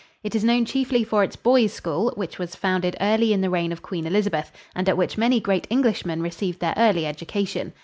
It is known chiefly for its boys' school, which was founded early in the reign of Queen Elizabeth and at which many great Englishmen received their early education.